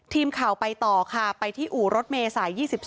ทีมข่าวไปต่อค่ะไปที่อู่รถเมษาย๒๒